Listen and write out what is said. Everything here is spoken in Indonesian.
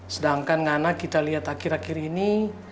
sedangkan nana kita lihat akhir akhir ini